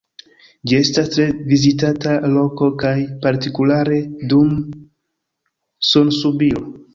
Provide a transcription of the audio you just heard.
Ĝi estas tre vizitata loko kaj partikulare dum sunsubiro.